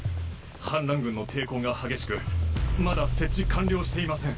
反乱軍の抵抗が激しくまだ設置完了していません。